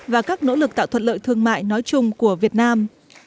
và các nỗ lực tạo thuật lợi thương mại nói chung của việt nam